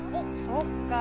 そっか。